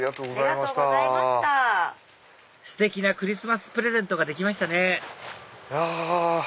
ステキなクリスマスプレゼントができましたね！